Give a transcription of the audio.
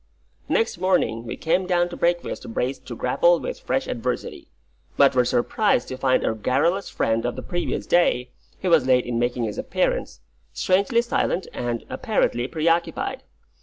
Next morning we came down to breakfast braced to grapple with fresh adversity, but were surprised to find our garrulous friend of the previous day he was late in making his appearance strangely silent and (apparently) preoccupied.